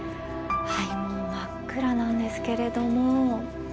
真っ暗なんですけれども。